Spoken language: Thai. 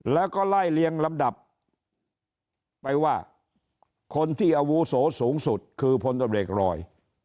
แล้วก็ไล่เลียงลำดับไปว่าคนที่อาวุโสสูงสุดคือพลตำรวจรอย